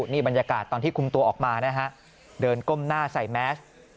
นี่บรรยากาศตอนที่คุมตัวออกมานะฮะเดินก้มหน้าใส่แมส